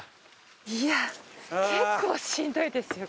いや結構しんどいですよ